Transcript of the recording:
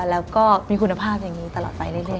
แล้วก็มีคุณภาพอย่างนี้ตลอดไปเรื่อย